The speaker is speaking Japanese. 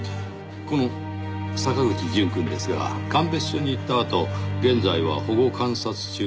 この坂口淳くんですが鑑別所に行ったあと現在は保護観察中とありますが。